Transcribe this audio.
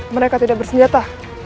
mereka tidak bersenjata